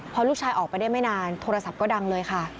พอลูกชายออกไปได้ไม่นานโทรศัพท์ก็ดังเลยค่ะ